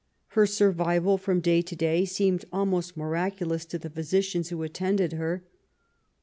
Her survival from day to day seemed almost miraculous to the physicians who attended her.